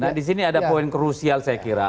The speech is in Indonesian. nah di sini ada poin krusial saya kira